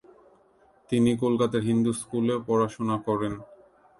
তিনি কলকাতার হিন্দু স্কুলে পড়াশোনা করেন।